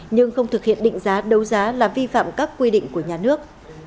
nhưng không thực hiện định giá đấu giá là vi phạm các quy định của nhà nước